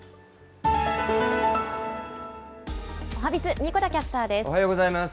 おはＢｉｚ、神子田キャスタおはようございます。